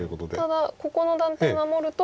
ただここの断点守ると。